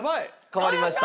変わりました。